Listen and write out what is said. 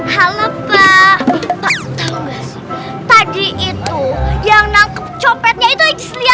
halabah tadi itu yang nangkep copetnya itu ikhtialah pak